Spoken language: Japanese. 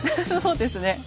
そうですね。